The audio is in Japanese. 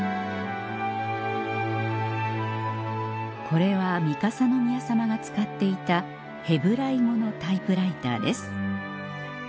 これは三笠宮さまが使っていたヘブライ語のタイプライターです